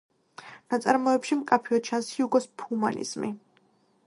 ნაწარმოებში მკაფიოდ ჩანს ჰიუგოს ჰუმანიზმი.